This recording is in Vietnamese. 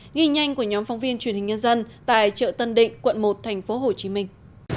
nghi nhanh của nhóm phóng viên truyền hình nhân dân tại chợ tân định quận một thành phố hồ chí minh